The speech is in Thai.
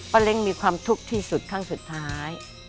เล้งมีความทุกข์ที่สุดครั้งสุดท้าย